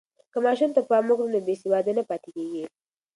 که ماشوم ته پام وکړو، نو بې سواده نه پاتې کېږي.